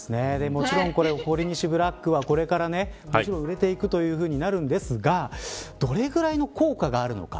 もちろん、ほりにしブラックはこれからもちろん売れていくということになるんですがどれくらいの効果があるのか。